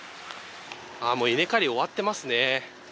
あぁもう稲刈り終わってますね。